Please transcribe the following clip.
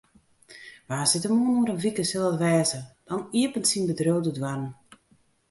Woansdeitemoarn oer in wike sil it wêze, dan iepenet syn bedriuw de doarren.